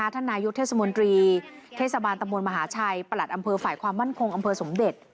ทรรยกเทศมณีเทศบาลตมมหาชัยประหลัดอำเผอร์ฝ่ายความมั่นคงอำเตอร์สมเด็จ